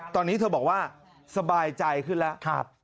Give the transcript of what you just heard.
ตอนนี้เธอบอกว่าสบายใจขึ้นแล้ว